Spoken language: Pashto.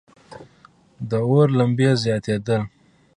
د اور لمبې زیاتېدلې.